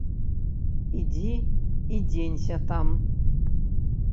Ідзі і дзенься там.